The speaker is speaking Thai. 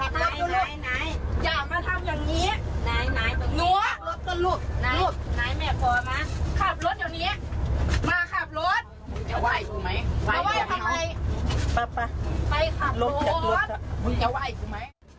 มึงจะไหว่มึงไหมไหว่ทำไมไปไปขับรถมึงจะไหว่มึงไหม